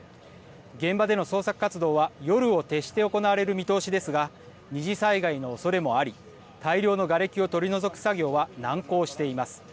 現場での捜索活動は夜を徹して行われる見通しですが二次災害のおそれもあり大量のがれきを取り除く作業は難航しています。